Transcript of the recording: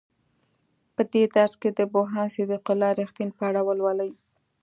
په دې درس کې د پوهاند صدیق الله رښتین په اړه ولولئ.